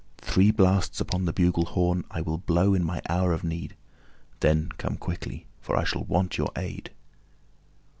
Three blasts upon the bugle horn I will blow in my hour of need; then come quickly, for I shall want your aid."